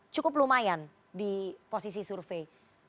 cukup lumayan di posisi survei